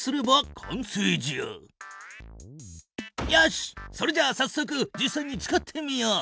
しっそれじゃあさっそく実さいに使ってみよう！